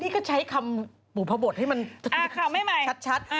นี่ก็ใช้คำปรุภบทให้มันชัด